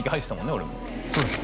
俺もそうです